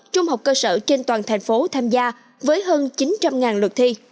trung học cơ sở trên toàn thành phố tham gia với hơn chín trăm linh lượt thi